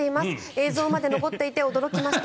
映像まで残っていて驚きました。